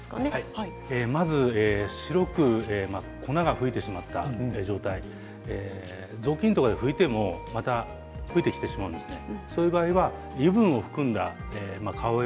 白く粉がふいてしまった状態雑巾とかで拭いてもまたふいてしまうんですね